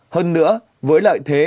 hơn nữa với lợi thế